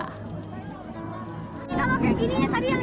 kalau kayak gini tadi yang diomongin apa yang diteriakin